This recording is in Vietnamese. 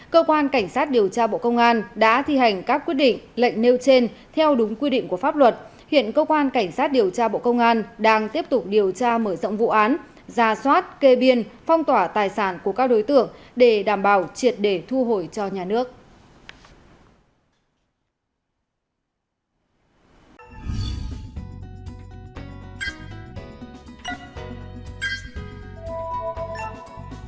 cơ quan cảnh sát điều tra bộ công an đang điều tra vụ án vi phạm quy định về nghiên cứu thăm dò khai thác tài nguyên đưa hối lộ nhận hối lộ nhận hối lộ nhận hối lộ